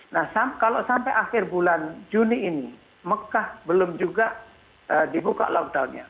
nah kalau sampai akhir bulan juni ini mekah belum juga dibuka lockdownnya